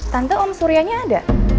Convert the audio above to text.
tante om suryanya ada